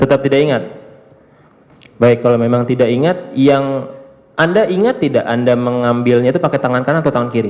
tetap tidak ingat baik kalau memang tidak ingat yang anda ingat tidak anda mengambilnya itu pakai tangan kanan atau tangan kiri